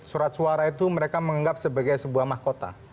surat suara itu mereka menganggap sebagai sebuah mahkota